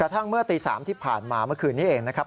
ทั้งเมื่อตี๓ที่ผ่านมาเมื่อคืนนี้เองนะครับ